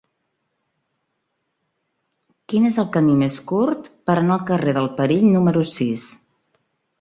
Quin és el camí més curt per anar al carrer del Perill número sis?